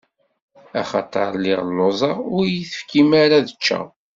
Axaṭer lliɣ lluẓeɣ, ur yi-tefkim ara ad ččeɣ.